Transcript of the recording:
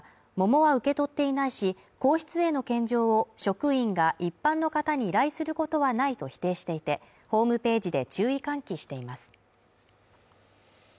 一方宮内庁は桃は受け取っていないし、皇室への献上を職員が一般の方に依頼することはないと否定していて、ホームページで注意喚起しています。